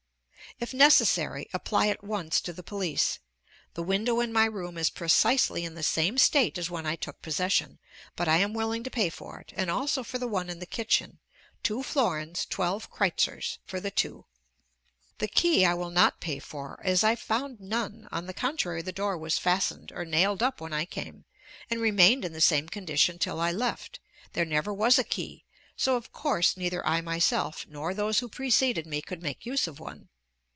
If necessary, apply at once to the police. The window in my room is precisely in the same state as when I took possession, but I am willing to pay for it, and also for the one in the kitchen, 2 florins 12 kreuzers, for the two. The key I will not pay for, as I found none; on the contrary, the door was fastened or nailed up when I came, and remained in the same condition till I left; there never was a key, so of course neither I myself, nor those who preceded me, could make use of one.